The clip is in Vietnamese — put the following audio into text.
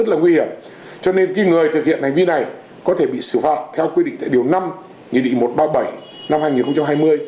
thực hiện hành vi này có thể bị xử phạt theo quy định tại điều năm nghị địa một trăm ba mươi bảy năm hai nghìn hai mươi